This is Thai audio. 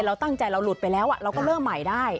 เราตั้งใจเราหลุดไปแล้วเราก็เริ่มใหม่ได้